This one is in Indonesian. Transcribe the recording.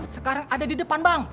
sekarang ada di depan bank